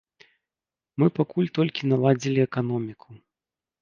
Мы пакуль толькі наладзілі эканоміку.